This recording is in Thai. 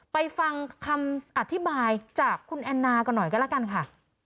ไปฟังคำอธิบายจากคุณแอนนากันหน่อยก็แล้วกันค่ะ